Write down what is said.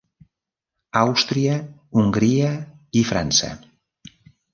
Àustria, Hongria i França.